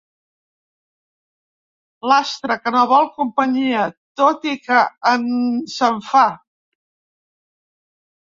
L'astre que no vol companyia, tot i que ens en fa.